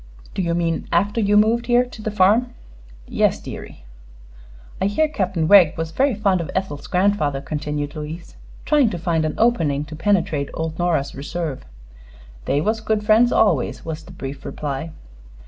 "Do you mean after you moved here, to the farm?" "Yes, deary." "I hear Captain Wegg was very fond of Ethel's grandfather," continued Louise, trying to find an opening to penetrate old Nora's reserve. "They was good friends always," was the brief reply.